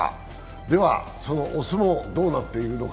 ではそのお相撲、どうなっているのか。